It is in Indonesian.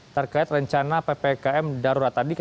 terkait rencana ppkm darurat tadi